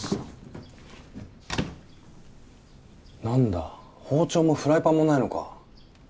なんだ包丁もフライパンもないのか？